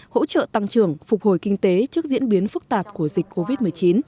hỗ trợ tăng trưởng phục hồi kinh tế trước diễn biến phức tạp của dịch covid một mươi chín